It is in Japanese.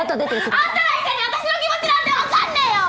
あんたら医者に私の気持ちなんてわかんねえよ！